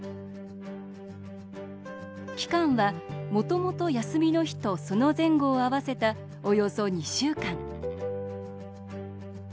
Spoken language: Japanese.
期間は、もともと休みの日とその前後を合わせたおよそ２週間。